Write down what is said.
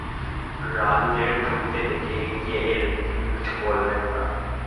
রানুদের ঢুকতে দেখে এগিয়ে এলেন কিন্তু কিছু বললেন না।